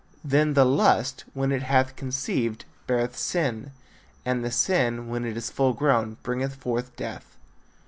Then the lust, when it hath conceived, beareth sin: and the sin, when it is full grown, bringeth forth death.